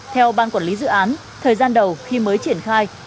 theo ban quản lý dự án thời gian đầu khi mới triển khai